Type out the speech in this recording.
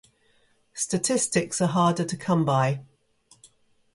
Statistics are harder to come by.